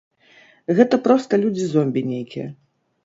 Гэта проста людзі-зомбі нейкія.